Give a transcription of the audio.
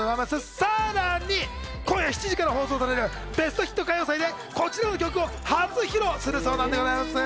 さらに今夜７時から放送される『ベストヒット歌謡祭』でこちらの曲を初披露するそうなんでございます。